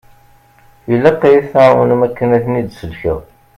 Ilaq ad yi-tɛawnem i wakken ad ten-id-sellkeɣ.